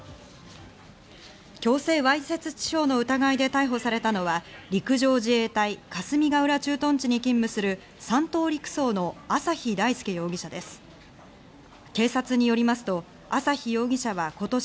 強制わいせつ致傷の疑いで逮捕されたのは、陸上自衛隊霞ヶ浦駐屯地に勤務する三等陸曹の朝日大介容疑者です。